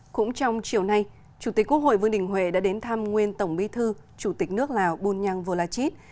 cũng trong chiều nay chủ tịch quốc hội vương đình huệ đã đến thăm nguyên tổng bí thư chủ tịch nước lào bunyang volachit